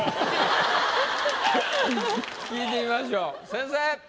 聞いてみましょう先生！